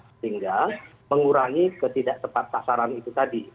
sehingga mengurangi ketidaktepatan sasaran itu tadi